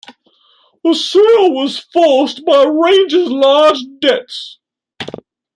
The sale was forced by Rangers' large debts.